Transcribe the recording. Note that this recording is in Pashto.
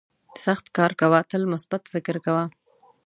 سخت کار کوه تل مثبت فکر کوه.